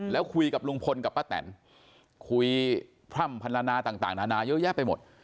แล้วคุยกับลุงพลกับป้าแตนคุยพร่ำพันละนาต่างนานาเยอะแยะไปหมด